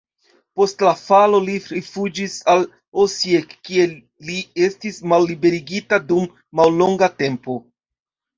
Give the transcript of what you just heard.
Post la falo li rifuĝis al Osijek, kie li estis malliberigita dum mallonga tempo.